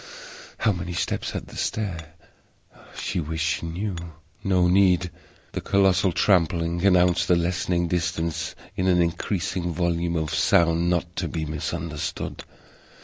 How many steps had the stair? She wished she knew. No need! The colossal trampling announced the lessening distance in an increasing volume of sound not to be misunderstood.